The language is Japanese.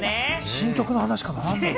新曲の話かな？